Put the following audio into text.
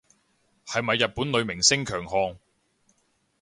係咪日本女明星強項